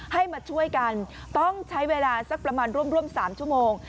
ให้มาช่วยกันต้องใช้เวลาสักประมาณร่วม๓ชั่วโมง